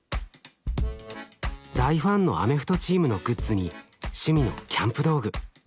大ファンのアメフトチームのグッズに趣味のキャンプ道具。